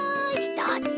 だって。